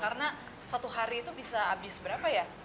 karena satu hari itu bisa habis berapa ya